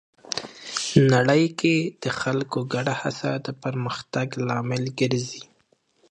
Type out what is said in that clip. نړۍ کې د خلکو ګډه هڅه د پرمختګ لامل ګرځي.